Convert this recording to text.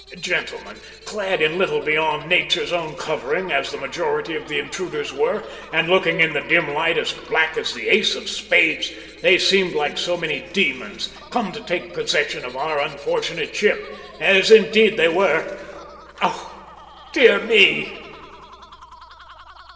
gentlemen, clad in little beyond Nature's own covering, as the majority of the intruders were, and looking in the dim light as black as the ace of spades, they seemed like so many demons, come to take possession of our unfortunate ship as indeed they were. Oh dear me!"